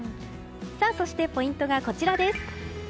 そして、ポイントがこちらです。